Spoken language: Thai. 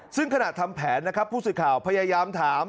ซึ่งขณะทำแผนนะครับผู้สื่อข่าวพยายามถาม